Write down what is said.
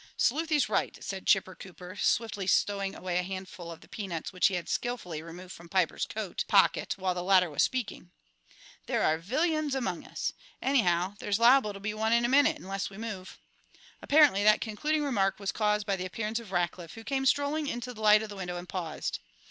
"Sleuthy's right," said Chipper Cooper, swiftly stowing away a handful of the peanuts which he had skillfully removed from Piper's coat pocket while the latter was speaking; "there are villyuns among us. Anyhow, there's liable to be one in a minute, unless we move." Apparently this concluding remark was caused by the appearance of Rackliff, who came strolling into the light of the window and paused.